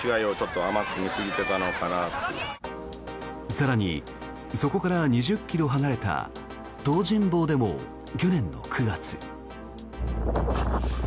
更に、そこから２０ｋｍ離れた東尋坊でも去年の９月。